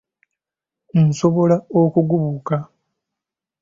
Nsobola okugubuuka!